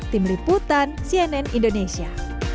tim liputan cnn indonesia